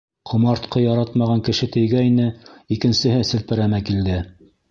Ҡомартҡы яратмаған кеше тейгәйне, икенсеһе селпәрәмә килде...